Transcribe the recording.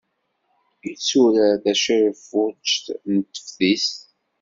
Yetturar tacirfugt n teftist.